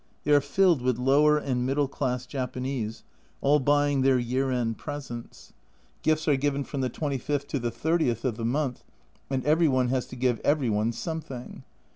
They are filled with lower and middle class Japanese, all buying their year end presents. Gifts are given from the 25th to the 3Oth of the month, and every one has to give every one something.